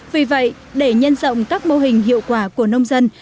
vì vậy để nhân rộng các mô hình hiệu quả của nông dân